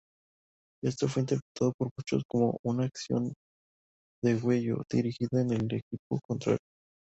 Esto fue interpretado por muchos como una acción degüello, dirigida en el equipo contrario.